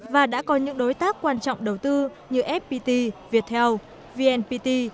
và đã có những đối tác quan trọng đầu tư như fpt viettel vnpt